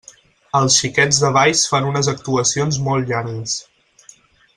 Els Xiquets de Valls fan unes actuacions molt llargues.